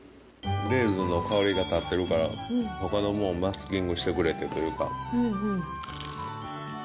レーズンの香りが立ってるから、ほかのものをマスキングしてくれてというか。